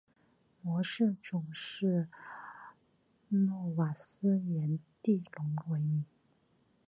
模式种是诺瓦斯颜地龙为名。